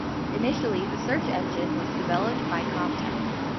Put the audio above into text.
Initially the search engine was developed by Comptek.